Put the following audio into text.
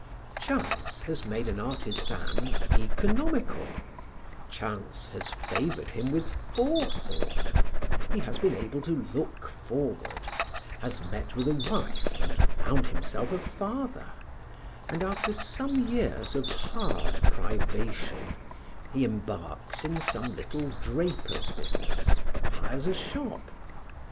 Chance has made an artisan economical, chance has favored him with forethought, he has been able to look forward, has met with a wife and found himself a father, and, after some years of hard privation, he embarks in some little draper's business, hires a shop.